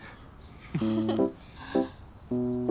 フフフ。